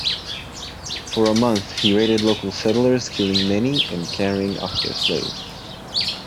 For a month, he raided local settlers, killing many and carrying off their slaves.